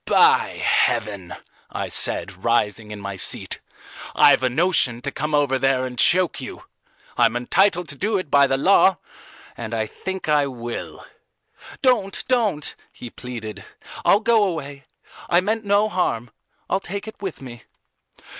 By heaven," I said, rising in my seat, "I've a notion to come over there and choke you: I'm entitled to do it by the law, and I think I will." "Don't, don't," he pleaded. "I'll go away. I meant no harm. I'll take it with me."